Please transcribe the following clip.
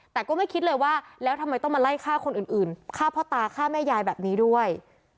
แต่ก็ไม่คิดเลยว่าแล้วทำไมต้องมาไล่ฆ่าคนอื่นฆ่าพ่อตาฆ่าแม่ยายแบบนี้ด้วย